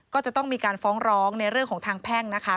ก็จะต้องมีการฟ้องร้องในเรื่องของทางแพ่งนะคะ